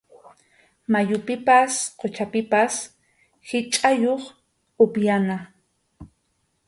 Mayupipas quchapipas hichʼakuq upyana.